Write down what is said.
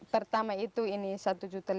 pertama itu ini satu juta lima ratus